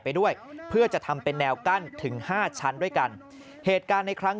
ไปด้วยเพื่อจะทำเป็นแนวกั้นถึงห้าชั้นด้วยกันเหตุการณ์ในครั้ง